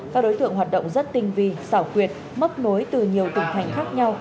các đối tượng hoạt động rất tinh vi xảo quyệt móc nối từ nhiều tỉnh thành khác nhau